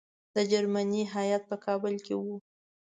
د جرمني هیات په کابل کې وو.